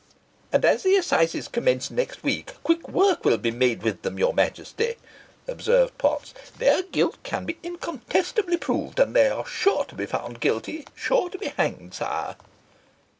"And, as the assizes commence next week, quick work will be made with them, your Majesty," observed Potts. "Their guilt can be incontestably proved, so they are sure to be found guilty, sure to be hanged, sire."